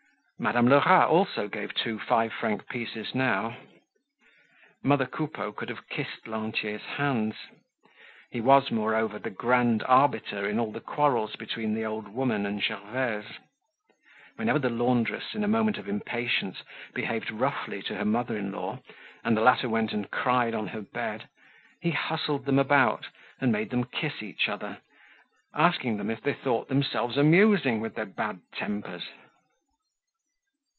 Madame Lerat also gave two five franc pieces now. Mother Coupeau could have kissed Lantier's hands. He was, moreover, the grand arbiter in all the quarrels between the old woman and Gervaise. Whenever the laundress, in a moment of impatience, behaved roughly to her mother in law and the latter went and cried on her bed, he hustled them about and made them kiss each other, asking them if they thought themselves amusing with their bad tempers.